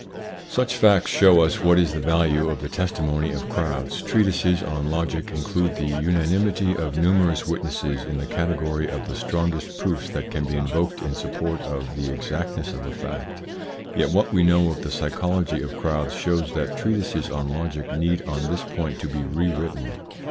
Such facts show us what is the value of the testimony of crowds. Treatises on logic include the unanimity of numerous witnesses in the category of the strongest proofs that can be invoked in support of the exactness of a fact. Yet what we know of the psychology of crowds shows that treatises on logic need on this point to be rewritten.